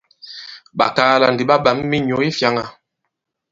Ɓàkaala ndi ɓa ɓǎm minyǔ i fyāŋā.